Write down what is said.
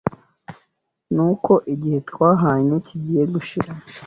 Nuko igihe twahanye kigiye gushira,